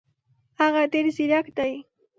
هغه ډېر زیرک دی.